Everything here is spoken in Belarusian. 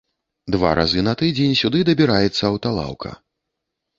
Два разы на тыдзень сюды дабіраецца аўталаўка.